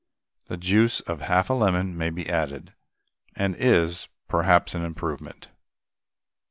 The juice of half a lemon may be added, and is, perhaps, an improvement.